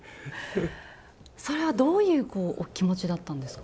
それはどういうこうお気持ちだったんですか？